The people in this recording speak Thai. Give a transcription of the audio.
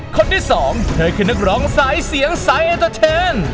คนที่สองเธอคือนักร้องสายเสียงสายเอ็นเตอร์เทน